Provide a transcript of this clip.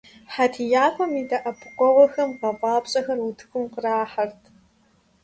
ХьэтиякӀуэм и дэӀэпыкъуэгъухэм гъэфӀапщӀэхэр утыкум кърахьэрт.